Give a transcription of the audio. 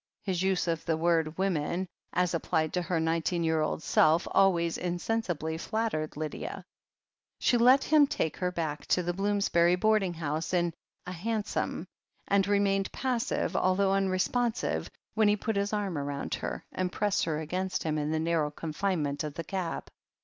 His use of the word "women," as applied to her nineteen year old self, always insensibly flattered Lydia, She let him take her back to the Bloomsbury board ing house in a hansom, and remained passive, although unresponsive, when he put his arm round her, and pressed her against him in the narrow confinement of the cab.